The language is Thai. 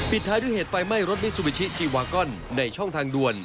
ท้ายด้วยเหตุไฟไหม้รถมิซูบิชิวากอนในช่องทางด่วน